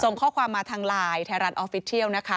ส่งข้อความมาทางไลน์ไทยรัฐออฟฟิศเทียลนะคะ